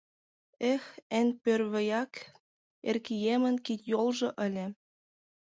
Эх, эн пӧрвыяк Эркиемын кид-йолжо ыле.